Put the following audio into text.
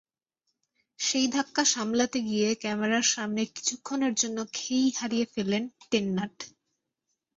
সেই ধাক্কা সামলাতে গিয়ে ক্যামেরার সামনে কিছুক্ষণের জন্য খেই হারিয়ে ফেললেন টেন্নাট।